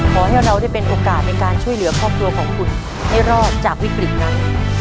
ขอให้เราได้เป็นโอกาสในการช่วยเหลือครอบครัวของคุณให้รอดจากวิกฤตนั้น